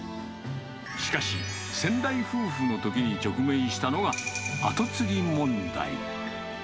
しかし、先代夫婦のときに直面したのが後継ぎ問題。